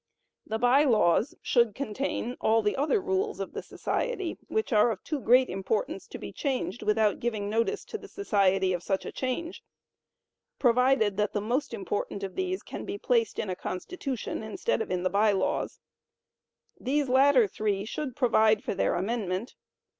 The By Laws should contain all the other rules of the society which are of too great importance to be changed without giving notice to the society of such change; provided that the most important of these can be placed in a Constitution instead of in the By Laws. These latter three should provide for their amendment.